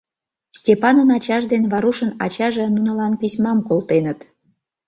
Степанын ачаж ден Варушын ачаже нунылан письмам колтеныт.